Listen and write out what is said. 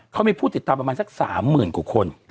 เขามีผู้ติดตามประมาณสัก๓๐๐๐กว่าคน